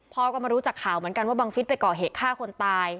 พ่อก็มารู้จากข่าวเหมือนกันว่าบังฟิศไปก่อเหตุฆ่าคนตาย